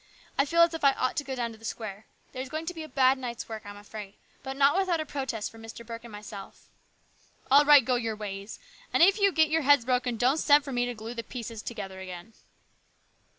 I feel as if I ought to go down to the square. There is going to be a bad night's work, I'm afraid, but not without a protest from Mr. Burke and myself." " All right, go your ways ! And if you get your heads broken, don't send for me to glue the pieces together again."